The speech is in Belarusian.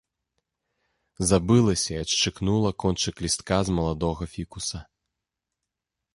Забылася і адшчыкнула кончык лістка з маладога фікуса.